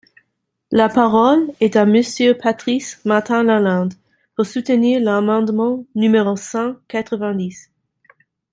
La parole est à Monsieur Patrice Martin-Lalande, pour soutenir l’amendement numéro cent quatre-vingt-dix.